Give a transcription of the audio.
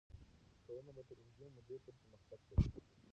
ټولنه به تر اوږدې مودې پورې پرمختګ کړی وي.